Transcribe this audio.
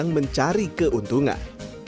dan juga mencari keuntungan